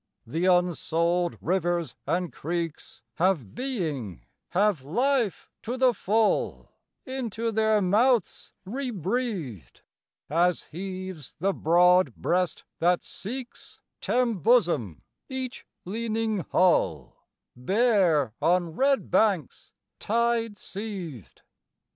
The unsouled rivers and creeks Have being, have life to the full, Into their mouths rebreathed, As heaves the broad breast that seeks T' embosom each leaning hull, Bare on red banks tide seethed.